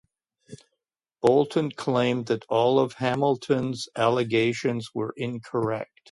Bolton claimed that all of Hamilton's allegations were incorrect.